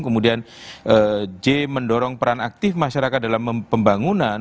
kemudian j mendorong peran aktif masyarakat dalam pembangunan